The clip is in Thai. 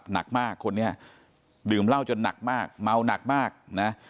หนักมากคนนี้ดื่มเหล้าจนหนักมากเมาหนักมากนะ